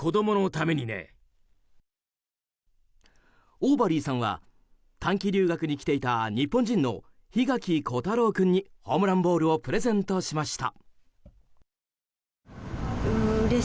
オーバリーさんは短期留学に来ていた日本人の檜垣虎太郎君にホームランボールをプレゼントしました。